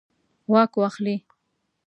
واک واخلي.